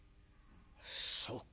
「そうか。